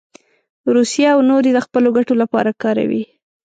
روسیه او نور یې د خپلو ګټو لپاره کاروي.